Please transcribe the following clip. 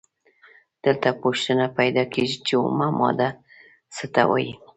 دلته پوښتنه پیدا کیږي چې اومه ماده څه ته وايي؟